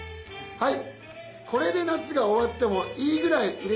はい。